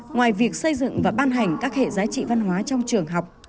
ngoài việc xây dựng và ban hành các hệ giá trị văn hóa trong trường học